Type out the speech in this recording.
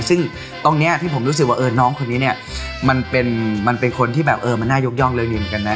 ซึ่งตรงนี้ที่ผมรู้สึกว่าน้องคนนี้เนี่ยมันเป็นคนที่แบบเออมันน่ายกย่องเร็วอยู่เหมือนกันนะ